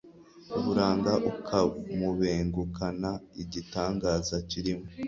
uburanga ukamubenguka nta gitangaza kirimo